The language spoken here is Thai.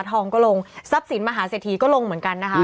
ทองก็ลงทรัพย์ศิลป์มหาเสถียราชินก็ลงเหมือนกันนะคะ